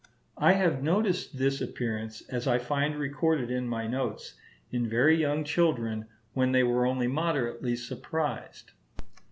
I have noticed this appearance, as I find recorded in my notes, in very young children when they were only moderately surprised.